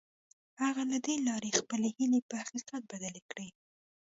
هغه له دې لارې خپلې هيلې په حقيقت بدلې کړې.